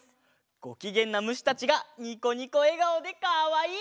ごきげんなむしたちがニコニコえがおでかわいい！